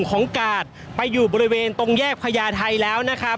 ก็น่าจะมีการเปิดทางให้รถพยาบาลเคลื่อนต่อไปนะครับ